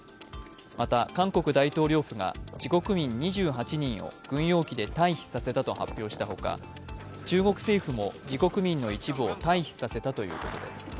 また韓国大統領府が自国民２８人を軍用機で退避させたと発表したほか中国政府も自国民の一部を退避させたということです。